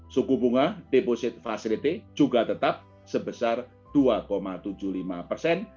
suku bunga deposit facility juga tetap sebesar dua tujuh puluh lima persen